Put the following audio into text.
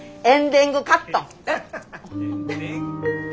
エンデングカットうん。